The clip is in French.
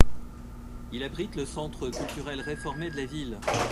Il abrite le centre culturel réformé de la ville.